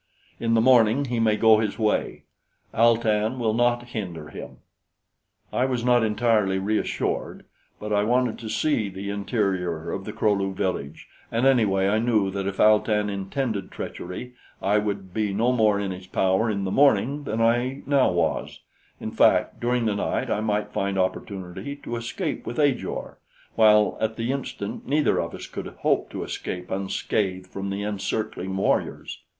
In the morning he may go his way. Al tan will not hinder him." I was not entirely reassured; but I wanted to see the interior of the Kro lu village, and anyway I knew that if Al tan intended treachery I would be no more in his power in the morning than I now was in fact, during the night I might find opportunity to escape with Ajor, while at the instant neither of us could hope to escape unscathed from the encircling warriors.